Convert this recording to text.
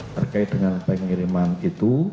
berkait dengan pengiriman itu